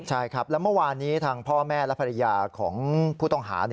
ใช่ครับแล้วเมื่อวานนี้ทางพ่อแม่และภรรยาของผู้ต้องหา